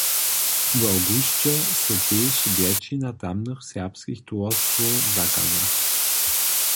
W awgusće so tež wjetšina tamnych serbskich towarstwow zakaza.